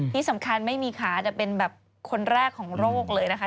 ที่สำคัญไม่มีขาแต่เป็นแบบคนแรกของโรคเลยนะคะ